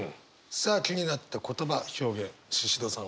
さあ気になった言葉表現シシドさん